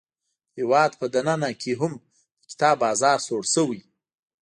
د هیواد په دننه کې هم د کتاب بازار سوړ شوی.